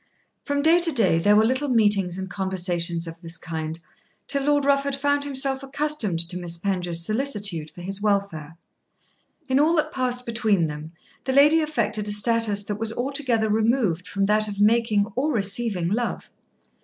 From day to day there were little meetings and conversations of this kind till Lord Rufford found himself accustomed to Miss Penge's solicitude for his welfare. In all that passed between them the lady affected a status that was altogether removed from that of making or receiving love.